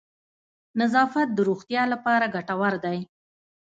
نظافت د روغتیا لپاره گټور دی.